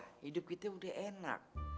hidup kita udah enak